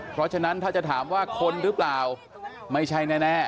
เพราะฉะนั้นถ้าจะถามว่าคนหรือเปล่าไม่ใช่แน่